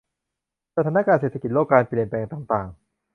สถานการณ์เศรษฐกิจโลก การเปลี่ยนแปลงต่างต่าง